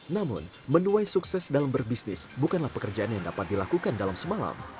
namun menuai sukses dalam berbisnis bukanlah pekerjaan yang dapat dilakukan dalam semalam